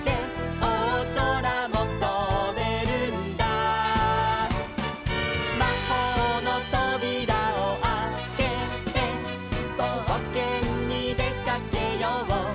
「おおぞらもとべるんだ」「まほうのとびらをあけて」「ぼうけんにでかけよう」